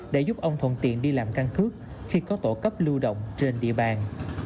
để giúp ông thuận tiện đi làm căn cước khi có tổ cấp lưu động trên địa bàn